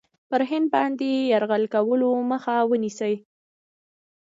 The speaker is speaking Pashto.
پر هند باندي یرغل کولو مخه ونیسي.